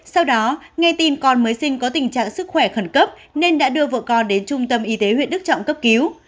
sau đó nghe tin con mới sinh có tình trạng sức khỏe khẩn cấp nên đã đưa vợ con đến trung tâm y tế huyện đức trọng cấp cứu